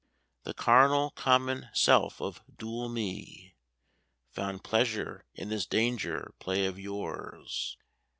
The carnal, common self of dual me Found pleasure in this danger play of yours.